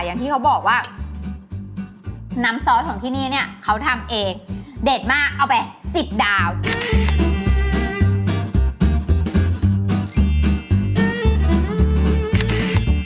อย่างที่เขาบอกว่าน้ำซอสของที่นี่เนี่ยเขาทำเองเด็ดมากเอาไปสิบดาว